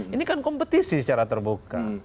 ini kan kompetisi secara terbuka